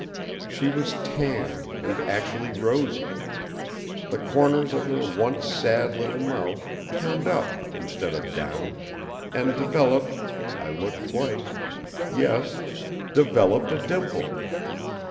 She was tanned and actually rosy. The corners of her once sad little mouth turned up instead of down and developed I looked twice yes, developed a dimple.